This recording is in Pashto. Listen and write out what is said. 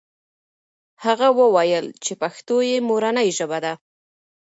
هغه وویل چې پښتو یې مورنۍ ژبه ده.